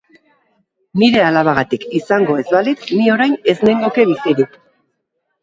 Nire alabagatik izango ez balitz ni orain ez nengoke bizirik.